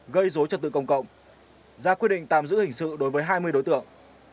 gây dối trật tự công cộng ra quyết định tạm giữ hình sự đối với hai mươi đối tượng